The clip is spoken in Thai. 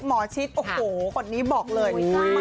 หมอชิดโอ้โหคนนี้บอกเลย